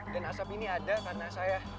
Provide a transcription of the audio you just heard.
dan asap ini ada karena saya